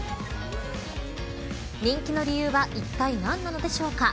人気の理由はいったい何なのでしょうか。